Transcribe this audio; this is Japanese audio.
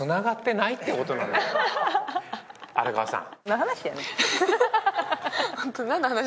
荒川さん。